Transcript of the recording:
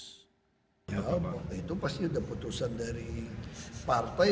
pertama itu pasti sudah putusan dari partai